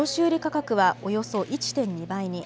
価格はおよそ１．２倍に。